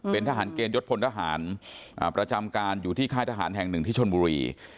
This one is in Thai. เป็นทหารเกณฑยศพลทหารประจำการอยู่ที่ค่ายทหารแห่งหนึ่งที่ชนบุรี